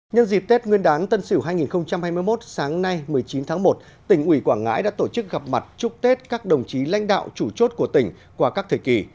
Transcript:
nhân dịp tết nguyên đán tân sửu hai nghìn hai mươi một sáng nay một mươi chín tháng một tỉnh ủy quảng ngãi đã tổ chức gặp mặt chúc tết các đồng chí lãnh đạo chủ chốt của tỉnh qua các thời kỳ